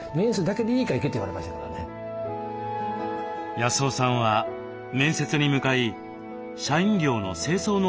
康雄さんは面接に向かい社員寮の清掃のアルバイトに合格します。